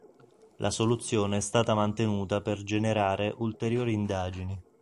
La soluzione è stata mantenuta per generare ulteriori indagini.